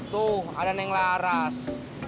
tuh ada neng laras